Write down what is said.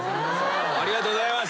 ありがとうございます。